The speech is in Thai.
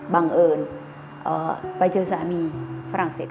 บังเอิญไปเจอสามีฝรั่งเศส